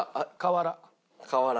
瓦。